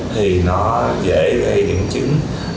thì dễ bị điểm chứng